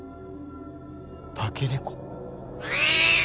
化け猫？